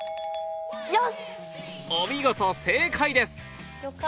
お見事正解です